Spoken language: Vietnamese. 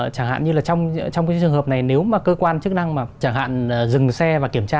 chẳng hạn như là trong cái trường hợp này nếu mà cơ quan chức năng mà chẳng hạn dừng xe và kiểm tra